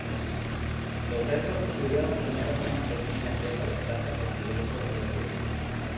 Los restos estuvieron primero en una pequeña arqueta de plata con diversos relieves.